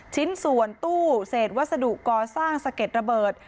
ชิ้นส่วนตู้เศษวัสดุก่อสร้างสะเก็ดระเบิด